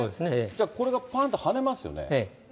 じゃあこれがぱんとはねますよね。